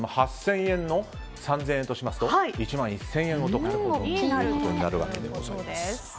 ８０００円の３０００円としますと１万１０００円お得になるというわけでございます。